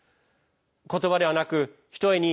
言葉ではなくひとえに